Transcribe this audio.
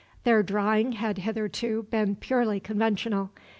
Their drawing had hitherto been purely conventional.